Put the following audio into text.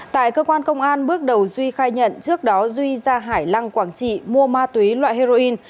tại cơ quan công an bước đầu duy khai nhận trước đó duy ra hải lăng quảng trị mua ma túy loại heroin